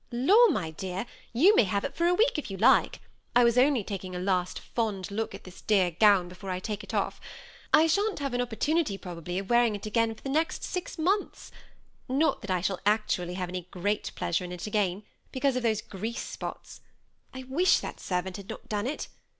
" Law, my dear, you may have it for a week if you like. I was only taking a last fond look at this dear gown, before I take it off. I sha'n't have an opportunity, probably, of wearing it again for the next six months ; not that I shall actually have any great pleasure in it again, because of those grease spots. I wish that servant had not done it.